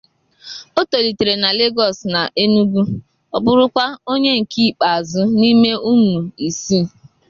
O tolitere na Lagos na Enugu, ọ bụrụ kwa onye nke ikpeazụ n’ime ụmụ isii.